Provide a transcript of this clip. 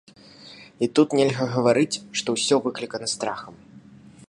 І тут нельга гаварыць, што ўсё выклікана страхам.